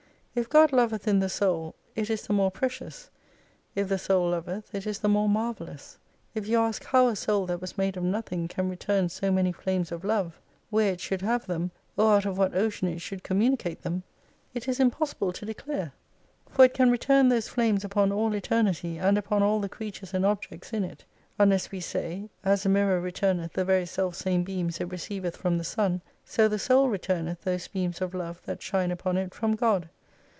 If God loveth in the Soul it is the more precious, if the Soul loveth it is the more marvellous. If you ask how a Soul that was made of nothing can return so many flames of Love ? Where it should have them, or out of what ocean it should communicate them ? it is impos sible to declare — (For it can return those flames upon all Eternity, and upon all the creatures and objects in it) — unless we say, as a mirror returneth the very self same beams it receiveth from the Sun, so the Soul returneth those beams of love that shine upon it from God.